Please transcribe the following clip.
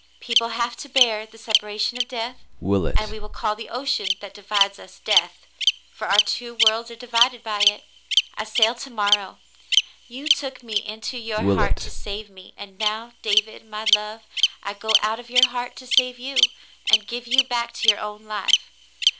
"People have to bear the separation of death, and we will call the ocean that divides us Death, for our two worlds are divided by it. I sail to morrow. You took me into your heart to save me, and now, David my love, I go out of your heart to save you, and give you back to your own life.